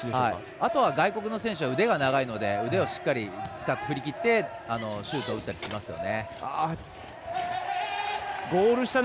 あとは外国の選手は腕が長いので腕を振りきってシュートを打ったりしますよね。